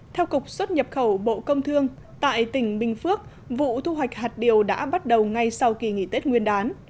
theo cục xuất nhập khẩu bộ công thương tại tỉnh bình phước vụ thu hoạch hạt điều đã bắt đầu ngay sau kỳ nghỉ tết nguyên đán